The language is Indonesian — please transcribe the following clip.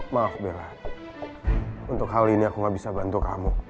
maaf bella untuk hal ini aku gak bisa bantu kamu